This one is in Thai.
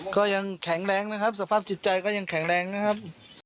ก็ยังแข็งแรงนะครับสภาพจิตใจก็ยังแข็งแรงนะครับ